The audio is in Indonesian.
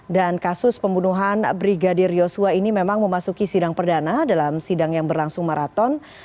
dan kasus pembunuhan brigadir yosua ini memang memasuki sidang perdana dalam sidang yang berlangsung maraton